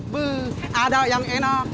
beuh ada yang enak